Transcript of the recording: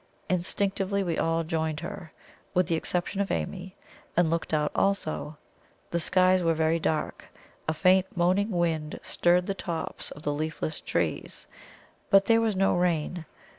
Instinctively we all joined her, with the exception of Amy, and looked out also. The skies were very dark; a faint moaning wind stirred the tops of the leafless trees; but there was no rain.